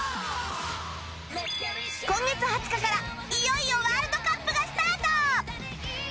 今月２０日からいよいよワールドカップがスタート！